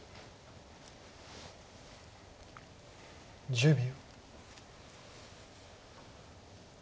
１０秒。